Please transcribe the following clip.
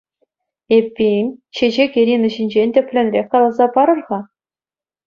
Эппин, Чечек-Ирина ҫинчен тӗплӗнрех каласа парӑр-ха?